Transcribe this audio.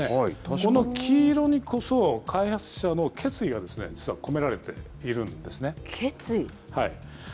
この黄色にこそ、開発者の決意が、実は込められているんですね。